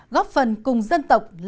góp phần cùng dân tộc